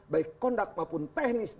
baik kondak maupun teknis